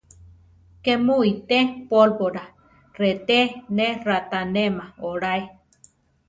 ¿Ké mu ité pólvora? reté ne raʼtánema oláe.